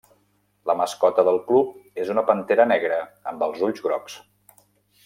La mascota del club és una pantera negra amb els ulls grocs.